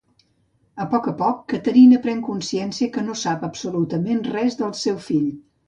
A poc a poc Caterina pren consciència que no sap absolutament res del seu fill.